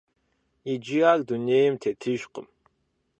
Иджы ар дунейм тетыжкъым.